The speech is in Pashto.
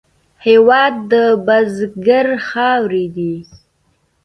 هېواد د بزګر خاورې دي.